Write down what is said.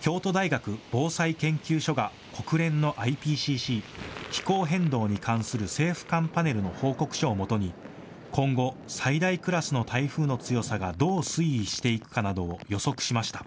京都大学防災研究所が国連のＩＰＣＣ・気候変動に関する政府間パネルの報告書をもとに今後、最大クラスの台風の強さがどう推移していくかなどを予測しました。